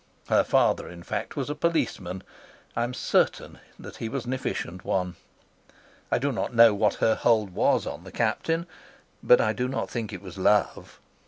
Her father, in fact, was a policeman. I am certain that he was an efficient one. I do not know what her hold was on the Captain, but I do not think it was love.